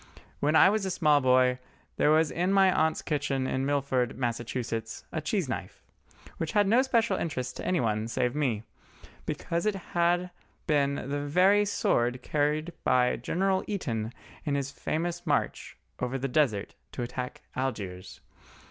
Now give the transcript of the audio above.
When I was a small boy, there was in my aunt's kitchen in Milford, Massachusetts, a cheese knife, which had no special interest to anybody save to me, because it had been the very sword carried by General Eaton in his famous march over the Desert to attack Algiers.